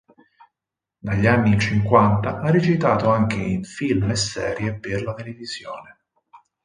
Dagli anni Cinquanta ha recitato anche in film e serie per la televisione.